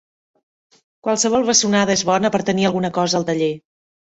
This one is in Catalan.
Qualsevol bessonada és bona per tenir alguna cosa al taller.